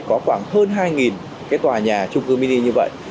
có khoảng hơn hai cái tòa nhà trung cư mini như vậy